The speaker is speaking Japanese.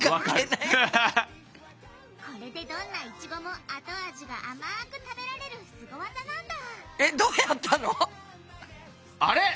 これでどんなイチゴもあと味が甘く食べられるスゴ技なんだ！